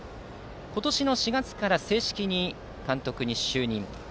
今年の４月から正式に監督に就任。